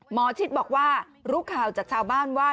หมอชิดบอกว่ารู้ข่าวจากชาวบ้านว่า